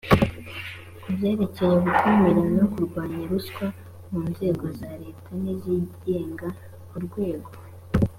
ku byerekeye gukumira no kurwanya ruswa mu nzego za leta n izigenga urwego